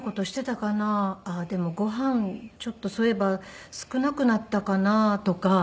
でもご飯ちょっとそういえば少なくなったかな？とか。